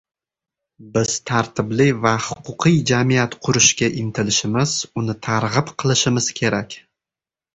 Biz tartibli va xuquqiy jamiyat qurishga intilishimiz, uni targʻib qilishimiz kerak.